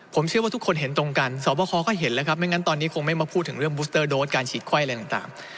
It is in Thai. ผมเชื่อว่าทุกคนเห็นตรงกันสอบคอก็เห็นแล้วครับไม่งั้นตอนนี้คงไม่มาพูดถึงเรื่องบูสเตอร์โดสการฉีดไข้อะไรต่าง